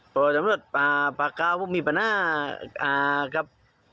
เพราะสำรวจปากกาวผมมีประนาจครับ